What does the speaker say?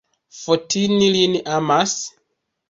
Fotini lin amas?